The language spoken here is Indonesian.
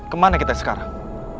kemana kita sekarang